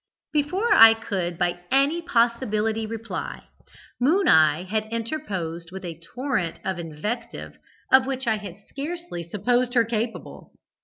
"Before I could by any possibility reply, 'Moon eye' had interposed with a torrent of invective of which I had scarcely supposed her capable.